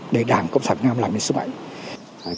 để đảng cộng sản nam làm như sức mạnh